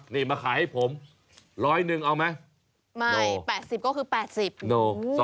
นี่มาขายให้ผมร้อยหนึ่งเอาไหมไม่แปดสิบก็คือแปดสิบ